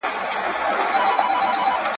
بیا به نه کوم له سپي شکایتونه ,